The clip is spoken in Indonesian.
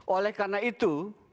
oleh karena itu